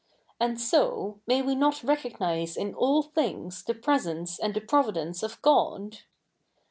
And so, may we 7iot recognise in all things the presence and the providence of God